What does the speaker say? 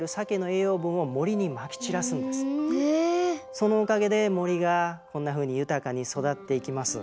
そのおかげで森がこんなふうに豊かに育っていきます。